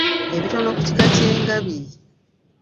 Ebitono ku kika ky'engabi.